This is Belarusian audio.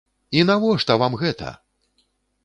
І навошта вам гэта?!